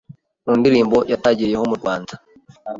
mu ndirimbo yatagiriyeho mu Rwanda